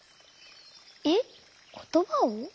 えっことばを？